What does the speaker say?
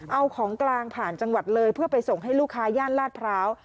เอาของกลางผ่านจังหวัดเลยเพื่อไปส่งให้ลูกค้าย่านลาดพร้าว